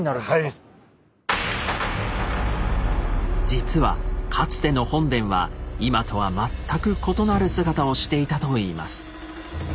実はかつての本殿は今とは全く異なる姿をしていたといいます。